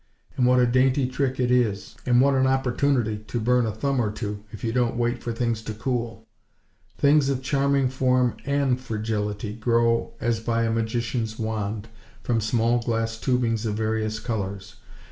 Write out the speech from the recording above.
And what a dainty trick it is! And what an opportunity to burn a thumb or two, if you don't wait for things to cool! Things of charming form and fragility, grow as by a magician's wand, from small glass tubings of various colors.